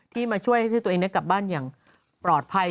ที่มาช่วยให้ตัวเองกลับบ้านอย่างปลอดภัย